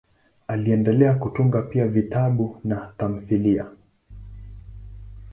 Aliendelea kutunga pia vitabu na tamthiliya.